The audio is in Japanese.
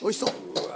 うわ！